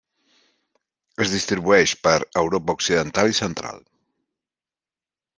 Es distribueix per Europa occidental i central.